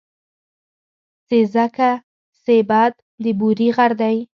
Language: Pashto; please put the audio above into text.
سېځگه سېبت د بوري غر دی.